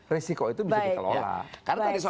risiko itu bisa dikelola